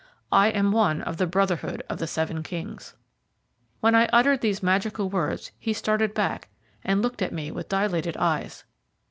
"I am one of the Brotherhood of the Seven Kings!" When I uttered these magical words he started back and looked at me with dilated eyes.